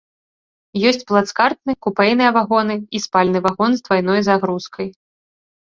Ёсць плацкартны, купэйныя вагоны і спальны вагон з двайной загрузкай.